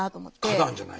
花壇じゃない？